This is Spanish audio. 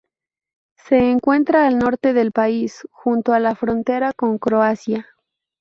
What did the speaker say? Se encuentra al norte del país, junto a la frontera con Croacia.